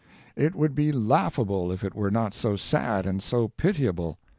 It would be laughable if it were not so sad and so pitiable.